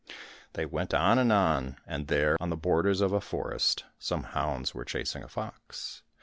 " They went on and on, and there, on the borders of a forest, some hounds were chasing a fox.